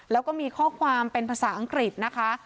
แล้วก็มีข้อความเป็นภาษาอังกฤษนะคะ